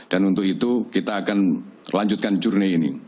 dan untuk itu kita akan lanjutkan journey ini